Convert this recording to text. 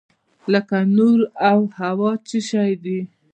لکه نور او هوا څه شی دي؟